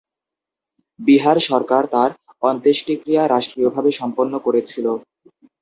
বিহার সরকার তার অন্ত্যেষ্টিক্রিয়া রাষ্ট্রীয়ভাবে সম্পন্ন করেছিল।